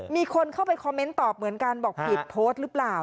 มีคนเข้าไปคอมเมนต์ตอบเหมือนกันบอกผิดโพสต์หรือเปล่า